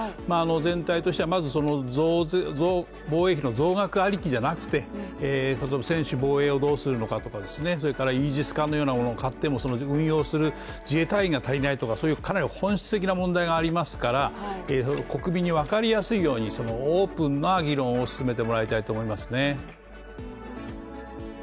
全体としてはまず防衛費の増額ありきじゃなくて例えば専守防衛をどうするかとか、イージス艦のようなものを買っても運用する自衛隊員が足りないとか本質的な問題がありますから国民に分かりやすいようにオープンな議論を進めてもらいたいと思いますね。